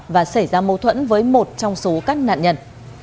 và xảy ra mâu thuẫn với một trong số các nạn nhân